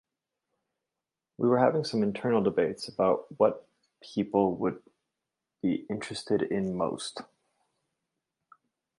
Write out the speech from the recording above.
We were having some internal debates about what people would be interested in most.